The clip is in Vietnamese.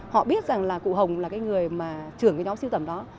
họ biết rằng là cụ hồng là cái người mà trưởng cái nhóm siêu tầm đó